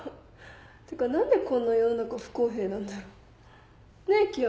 てか何でこんな世の中不公平なんだろ。ねぇ？樹山。